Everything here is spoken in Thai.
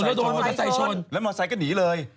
แล้วหมอสัยโชนแล้วหมอสัยก็หนีเลย